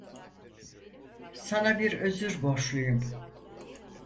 Sana bir özür borçluyum.